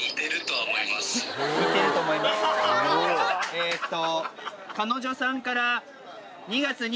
えっと。